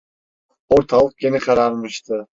Ortalık yeni kararmıştı.